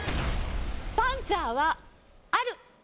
「パンツァー」はある。